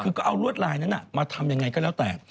คือก็เอารวดลายนั้นมาทำยังไงก็แล้วแต่